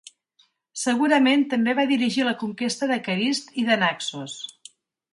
Segurament també va dirigir la conquesta de Carist i de Naxos.